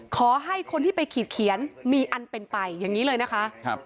ขอให้คนที่ไปขีดเขียนมีอันเป็นไปอย่างนี้เลยนะคะ